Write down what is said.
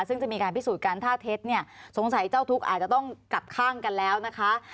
ซึ่งจะมีการพิสูจน์กันถ้าเท็จเนี่ยสงสัยเจ้าทุกข์อาจจะต้องกลับข้างกันแล้วนะคะ